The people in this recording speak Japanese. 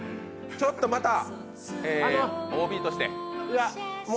ちょっと、またＯＢとして。